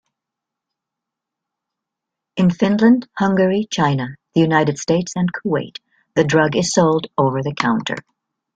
In Finland, Hungary, China, The United States and Kuwait the drug is sold over-the-counter.